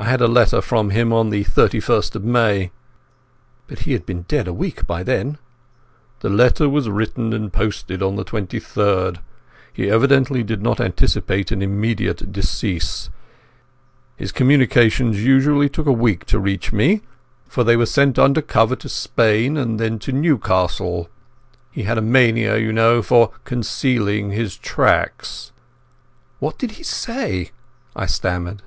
I had a letter from him on the 31st of May." "But he had been dead a week by then." "The letter was written and posted on the 23rd. He evidently did not anticipate an immediate decease. His communications usually took a week to reach me, for they were sent under cover to Spain and then to Newcastle. He had a mania, you know, for concealing his tracks." "What did he say?" I stammered.